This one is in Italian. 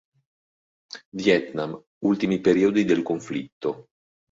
Vietnam, ultimi periodi del conflitto.